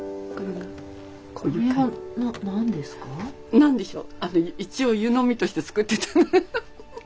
何でしょう？